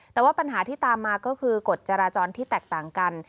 แต่ว่าปัญหาที่ตามมาก็คือกฎจราจรที่แตกต่างกัน